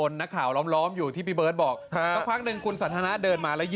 มานี่มานี่